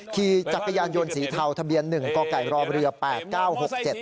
ขี่จักรยานยนต์สีเทาทะเบียนหนึ่งกไก่รอเรือแปดเก้าหกเจ็ด